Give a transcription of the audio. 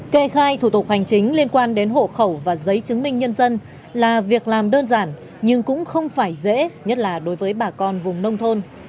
kê khai thủ tục hành chính liên quan đến hộ khẩu và giấy chứng minh nhân dân là việc làm đơn giản nhưng cũng không phải dễ nhất là đối với bà con vùng nông thôn